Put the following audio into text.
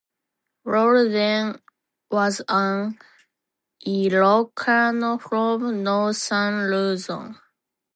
Roldan was an Ilocano from northern Luzon.